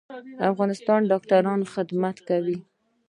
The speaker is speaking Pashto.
د افغانستان ډاکټران خدمت کوي